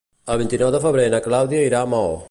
El vint-i-nou de febrer na Clàudia irà a Maó.